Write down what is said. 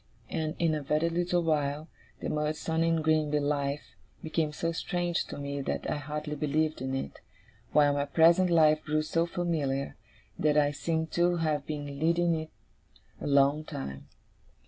And, in a very little while, the Murdstone and Grinby life became so strange to me that I hardly believed in it, while my present life grew so familiar, that I seemed to have been leading it a long time.